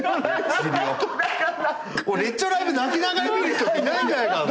レッチリのライブ泣きながら見る人っていないんじゃないかなと。